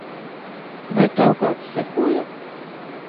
Vai tev kāds sekoja?